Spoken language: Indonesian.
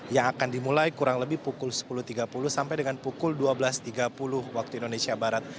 yang akan dimulai kurang lebih pukul sepuluh tiga puluh sampai dengan pukul dua belas tiga puluh waktu indonesia barat